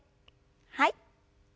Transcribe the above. はい。